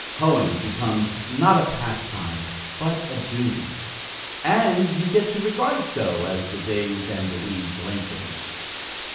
Hoeing becomes, not a pastime, but a duty. And you get to regard it so, as the days and the weeds lengthen.